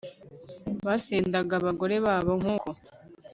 basendaga abagore babo nk'uko